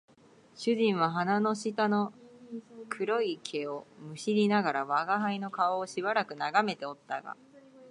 主人は鼻の下の黒い毛を撚りながら吾輩の顔をしばらく眺めておったが、